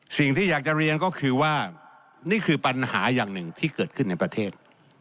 สิ่งที่อยากจะเรียนก็คือว่านี่คือปัญหาอย่างหนึ่งที่เกิดขึ้นในประเทศ